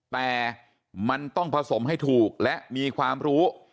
แต่มันต้องผสมให้ถูกและมีความรู้